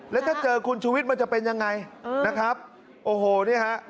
แล้วถ้าเจอคุณชุวิตมันจะเป็นอย่างไร